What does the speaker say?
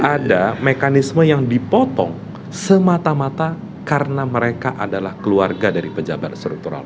ada mekanisme yang dipotong semata mata karena mereka adalah keluarga dari pejabat struktural